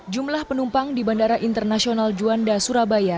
jumlah penumpang di bandara internasional juanda surabaya